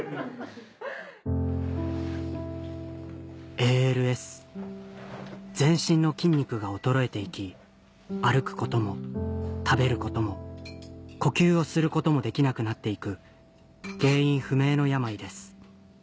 ＡＬＳ全身の筋肉が衰えていき歩くことも食べることも呼吸をすることもできなくなっていく原因不明の病です